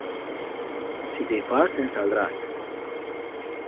Si te i fas, en saldrás.